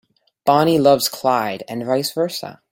Bonnie loves Clyde and vice versa.